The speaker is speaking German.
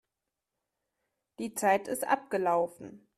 Die Zeit ist abgelaufen.